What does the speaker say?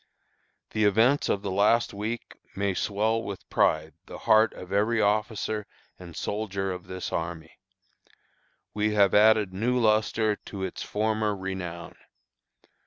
"The events of the last week may swell with pride the heart of every officer and soldier of this army. We have added new lustre to its former renown.